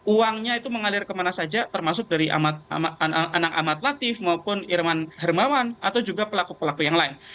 uangnya itu mengalir kemana saja termasuk dari anak amat latif maupun irman hermawan atau juga pelaku pelaku yang lain